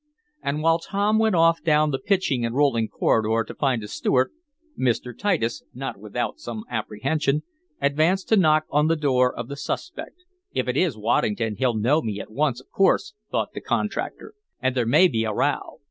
And while Tom went off down the pitching and rolling corridor to find a steward, Mr. Titus, not without some apprehension, advanced to knock on the door of the suspect. "If it is Waddington he'll know me at once, of course," thought the contractor, "and there may be a row.